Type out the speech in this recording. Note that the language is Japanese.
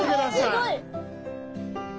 すごい！